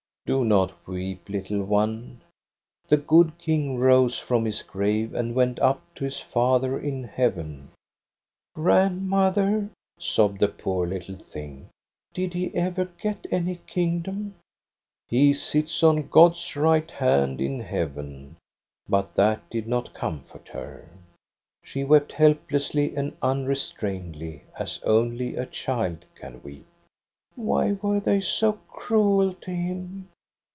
"'Do not weep, little one; the good King rose from his grave and went up to his Father in heaven. '"' Grandmother,' sobbed the poor little thing, ' did he ever get any kingdom }'' He sits on God's right hand in heaven.* But that did not comfort her. She wept help lessly and unrestrainedly, as only a child can weep. "* Why were they so cruel to him